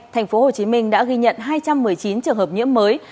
tp hcm đã ghi nhận hai trăm một mươi chín trường hợp nhiễm mới